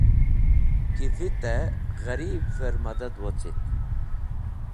Ki vitẽ ghẽribvẽr mẽdad wocit.